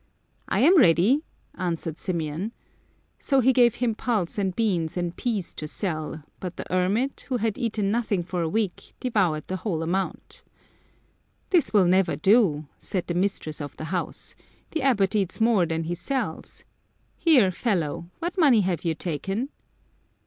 " I am ready," answered Symeon. So he gave him pulse and beans and peas to sell, but the hermit, who had eaten nothing for a week, devoured the whole amount. "This will never do," said the mistress of the house ;" the abbot eats more than he sells. Here, fellow, what money have you taken